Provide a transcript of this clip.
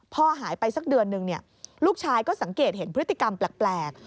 หายไปสักเดือนนึงลูกชายก็สังเกตเห็นพฤติกรรมแปลก